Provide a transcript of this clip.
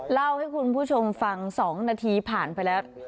เล่าให้คุณผู้ชมฟัง๒นาทีผ่านไปแล้ว